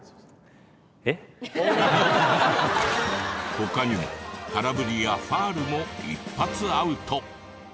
他にも空振りやファールも一発アウト。